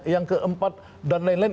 yang keempat dan lain lain